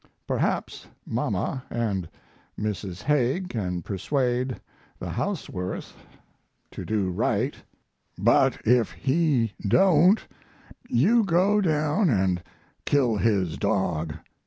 Perhaps mama & Mrs. Hague can persuade the Hauswirth to do right; but if he don't you go down & kill his dog.